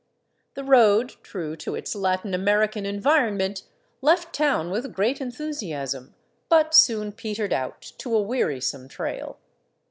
The road, true to its Latin American environment, left town with great enthusiasm, but soon petered out to a wearisome trail.